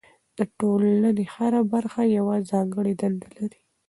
د ټولنې هره برخه یوه ځانګړې دنده لري.